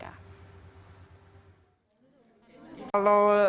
kalau dari kasus ini